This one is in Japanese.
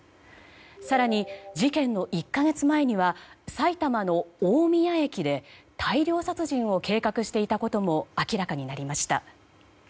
更に事件の１か月前には埼玉の大宮駅で大量殺人を計画していたことも明らかになりました。